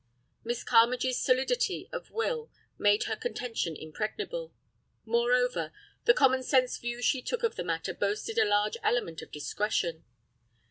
Miss Carmagee's solidity of will made her contention impregnable. Moreover, the common sense view she took of the matter boasted a large element of discretion.